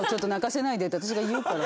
って私が言うから。